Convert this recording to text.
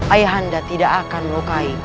ayahanda tidak akan melukakanmu